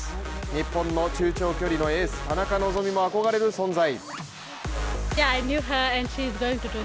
日本の中長距離のエース田中希実も憧れる存在。